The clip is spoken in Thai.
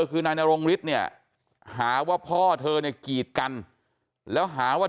คือนายนรงฤทธิ์เนี่ยหาว่าพ่อเธอเนี่ยกีดกันแล้วหาว่า